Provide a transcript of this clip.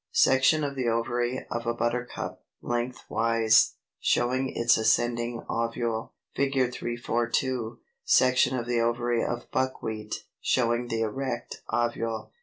Section of the ovary of a Buttercup, lengthwise, showing its ascending ovule.] [Illustration: Fig. 342. Section of the ovary of Buckwheat, showing the erect ovule.